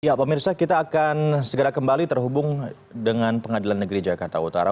ya pemirsa kita akan segera kembali terhubung dengan pengadilan negeri jakarta utara